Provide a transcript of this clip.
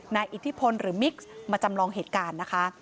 อิทธิพลหรือมิกซ์มาจำลองเหตุการณ์นะคะ